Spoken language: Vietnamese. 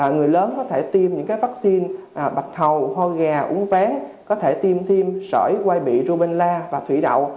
người lớn có thể tiêm những vaccine bạch hầu ho gà uống ván có thể tiêm thêm sỏi quai bị rubenla và thủy đậu